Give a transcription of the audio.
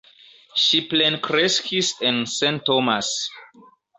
Ŝi plenkreskis en St. Thomas.